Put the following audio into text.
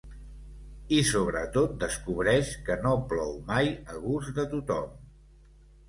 I, sobretot, descobreix que no plou mai a gust de tothom.